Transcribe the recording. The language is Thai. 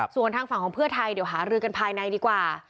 ส่วนทางฝั่งของเพื่อไทยเดี๋ยวหารือกันภายในดีกว่า